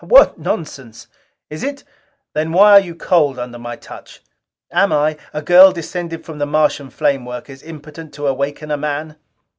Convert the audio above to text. "What nonsense!" "Is it? Then why are you cold under my touch? Am I, a girl descended from the Martian flame workers, impotent to awaken a man?"